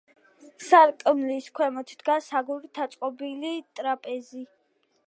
სარკმლის ქვემოთ დგას აგურით ნაწყობი ტრაპეზი.